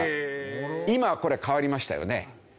今これ変わりましたよね。